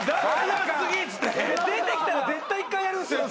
出てきたら絶対一回やるんすよ。